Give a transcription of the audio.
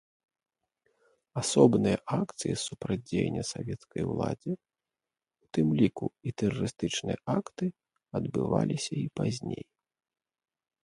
Асобныя акцыі супрацьдзеяння савецкай уладзе, у тым ліку і тэрарыстычныя акты адбываліся і пазней.